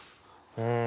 うん。